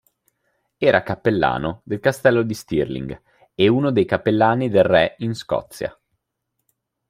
Era cappellano del Castello di Stirling e uno dei cappellani del re in Scozia.